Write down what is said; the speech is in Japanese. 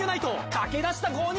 駆け出した５人！